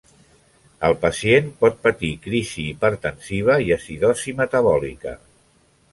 El pacient pot patir crisi hipertensiva i acidosi metabòlica.